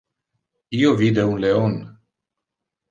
Io vide un leon.